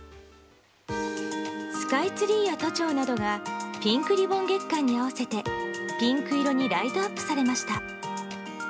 スカイツリーや都庁などがピンクリボン月間に合わせてピンク色にライトアップされました。